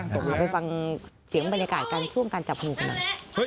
เอาไปฟังเสียงบรรยากาศกันช่วงการจับงูกันหน่อย